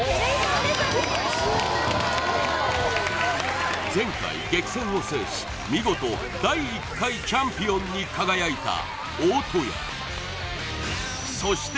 おめでとうございます前回激戦を制し見事第１回チャンピオンに輝いた大戸屋そして